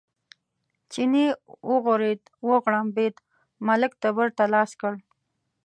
چیني وغورېد، وغړمبېد، ملک تبر ته لاس کړ.